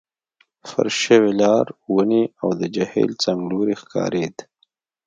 فرش شوي لار، ونې، او د جهیل څنګلوری ښکارېد.